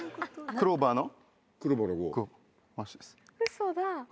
クローバーの５。